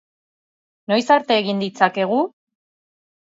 Noiz arte egin ditzakegu?